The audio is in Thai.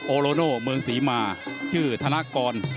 โลโนเมืองศรีมาชื่อธนากร